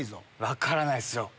分からないっすよ。